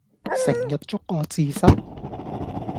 成日捉我字蝨